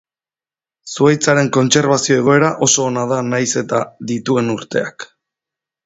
Zuhaitzaren kontserbazio egoera oso ona da nahiz eta dituen urteak.